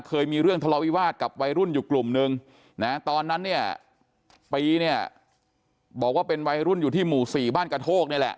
เคยมีเรื่องทะเลาวิวาสกับวัยรุ่นอยู่กลุ่มนึงนะตอนนั้นเนี่ยปีเนี่ยบอกว่าเป็นวัยรุ่นอยู่ที่หมู่๔บ้านกระโทกนี่แหละ